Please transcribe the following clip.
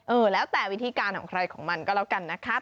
เออแล้วแต่วิธีการของใครของมันก็แล้วกันนะคะ